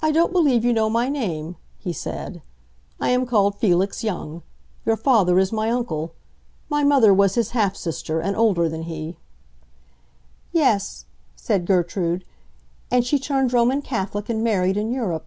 "I don't believe you know my name," he said. "I am called Felix Young. Your father is my uncle. My mother was his half sister, and older than he." "Yes," said Gertrude, "and she turned Roman Catholic and married in Europe."